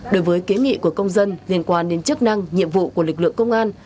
đối với kế nghị của công dân liên quan đến chức năng nhiệm vụ của lịch lượng công an